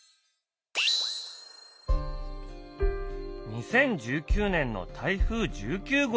２０１９年の台風１９号。